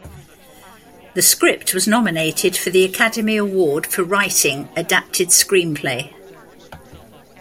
The script was nominated for the Academy Award for Writing Adapted Screenplay.